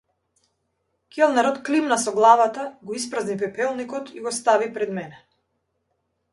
Келнерот климна со главата, го испразни пепелникот и го стави пред мене.